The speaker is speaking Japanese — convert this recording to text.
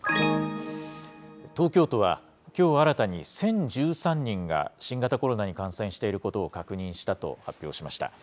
東京都は、きょう新たに１０１３人が新型コロナに感染していることを確認したと発表しました。